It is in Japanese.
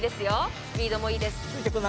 スピードもいいです。